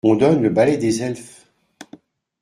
On donne le Ballet des Elfes.